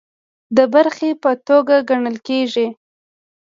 د برخې په توګه ګڼل کیږي